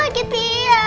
mama lagi tia